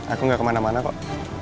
aku gak kemana mana kok